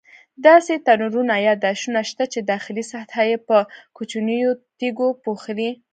داسې تنورونه یا داشونه شته چې داخلي سطحه یې په کوچنیو تیږو پوښلې.